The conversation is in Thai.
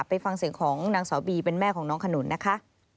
ไปฟังเสียงของนางสาวบีเป็นแม่ของน้องขนุนนะคะ